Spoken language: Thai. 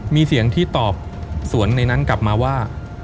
มีเสียงที่ตอบสวนในนั้นกลับมาว่า